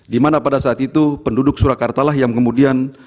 di mana pada saat itu penduduk surakartalah yang kemudian